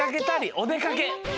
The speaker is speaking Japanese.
おでかけ！